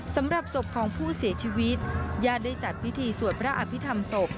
สำหรับศพของผู้เสียชีวิตญาติได้จัดพิธีสวดพระอภิษฐรรมศพ